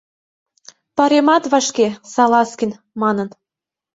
— Паремат вашке, Салазкин, — манын.